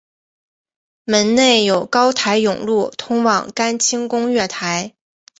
门内有高台甬路通往干清宫月台。